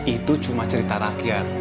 itu cuma cerita rakyat